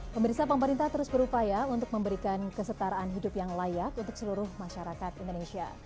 pemirsa pemerintah terus berupaya untuk memberikan kesetaraan hidup yang layak untuk seluruh masyarakat indonesia